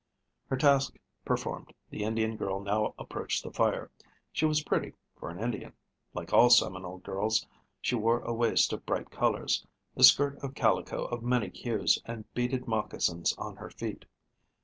Her task performed, the Indian girl now approached the fire. She was pretty for an Indian. Like all Seminole girls, she wore a waist of bright colors, a skirt of calico of many hues, and beaded moccasins on her feet.